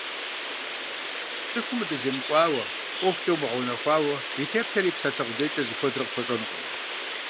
ЦӀыхум удыземыкӀуауэ, ӀуэхукӀэ умыгъэунэхуауэ, и теплъэрэ и псалъэ къудейрэкӀэ зыхуэдэр къыпхуэщӀэнукъым.